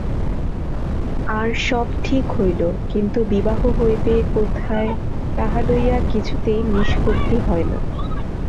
আর সব ঠিক হইল কিন্তু বিবাহ হইবে কোথায় তাহা লইয়া কিছুতেই নিষ্পত্তি হয় না।